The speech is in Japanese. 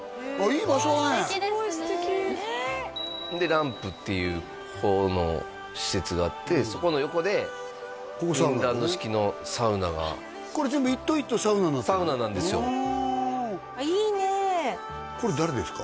すごい素敵でＬＡＭＰっていう方の施設があってそこの横でフィンランド式のサウナがこれ全部１棟１棟サウナになってるサウナなんですよああいいねこれ誰ですか？